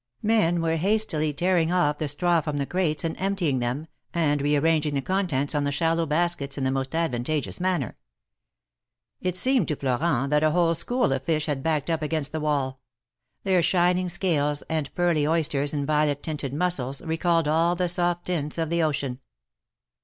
Men were hastily tearing off the straw from the crates, and emptying them, and rearranging the contents on the shallow baskets in the most advantageous manner. It seemed to Florent that a whole school of fish had backed up against the wall; their shining scales, and pearly oysters and violet tinted mussels recalled all the soft tints of the ocean.